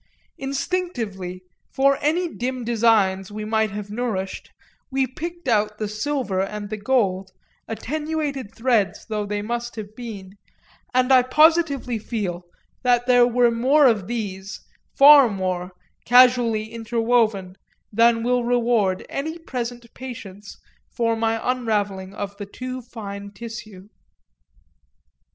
Instinctively, for any dim designs we might have nourished, we picked out the silver and the gold, attenuated threads though they must have been, and I positively feel that there were more of these, far more, casually interwoven, than will reward any present patience for my unravelling of the too fine tissue.